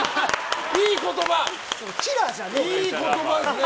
いい言葉ですね！